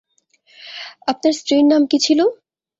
আপনার স্ত্রীর নাম কী ছিল।